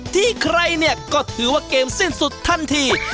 ที่ใครเนี่ยก็ถือว่าเกมสิ้นสุดทันที